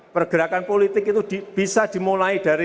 pergerakan politik itu bisa dipelajari tapi tidak bisa dipelajari